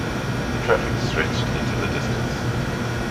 The traffic stretched into the distance.